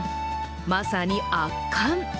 まさに圧巻。